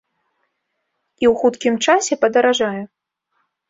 І ў хуткім часе падаражае.